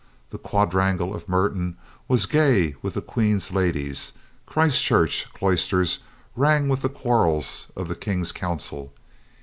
The quadrangle of Merton was gay with the Queen's ladies. Christ Church cloisters rang with the quarrels of the King's Council.